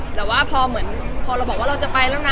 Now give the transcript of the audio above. แต่ว่าพอเหมือนพอเราบอกว่าเราจะไปแล้วนะ